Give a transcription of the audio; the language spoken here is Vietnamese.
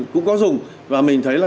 cũng có dùng và mình thấy là